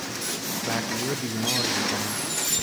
بقیه بیمار بودند.